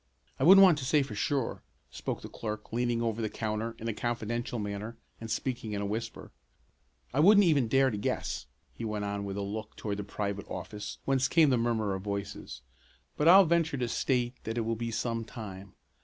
"I wouldn't want to say for sure," spoke the clerk, leaning over the counter in a confidential manner and speaking in a whisper. "I wouldn't even dare to guess," he went on with a look toward the private office whence came the murmur of voices, "but I'll venture to state that it will be some time.